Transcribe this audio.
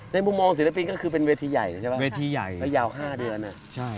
ในมุมมองศิลปินก็คือเป็นเวทีใหญ่ใช่ปะไปยาว๕เดือนอ่ะ